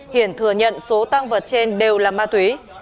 hiển thừa nhận số tăng vật trên đều là ma túy